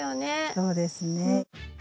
そうですね。